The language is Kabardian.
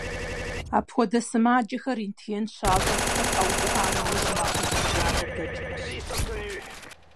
Апхуэдэ сымаджэхэр рентген щащӏыр лъыр къэувыӏа нэужь махуэ зыбжанэ дэкӏмэщ.